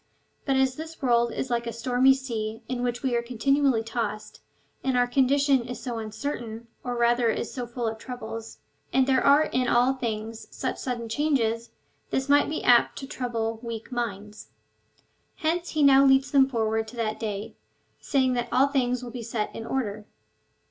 But as this world is like a stormy sea, in which we are continually tossed, and our condition is so un certain, or rather is so full of troubles, and there are in all things such sudden changes, this might be apt to trouble weak minds. Hence he now leads them forward to that day, saying that all things will be set in order.